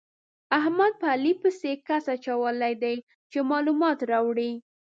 احمد په علي پسې کس اچولی دی چې مالومات راوړي.